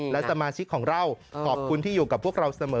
และสมาชิกของเราขอบคุณที่อยู่กับพวกเราเสมอ